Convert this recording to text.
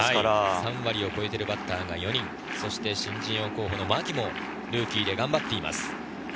３割を超えているバッターが４人、新人王候補の牧も頑張っています。